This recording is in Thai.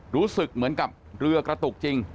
รู้สึกเหมือนกับเรือกระตุกจริง